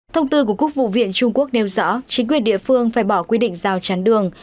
thông tư của quốc vụ viện trung quốc nêu rõ chính quyền địa phương phải bỏ quy định rào chắn đường